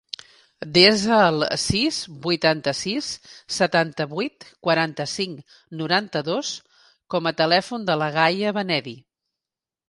Desa el sis, vuitanta-sis, setanta-vuit, quaranta-cinc, noranta-dos com a telèfon de la Gaia Benedi.